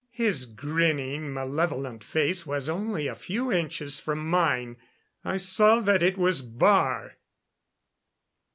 His grinning, malevolent face was only a few inches from mine. I saw that it was Baar!